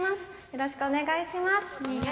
よろしくお願いします。